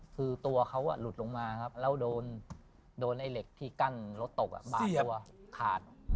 คือตัวเขาหลุดลงมาครับแล้วโดนไอ้เหล็กที่กั้นรถตกบาดตัวขาด